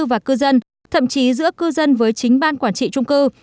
và cư dân thậm chí giữa cư dân với chính ban quản trị trung cư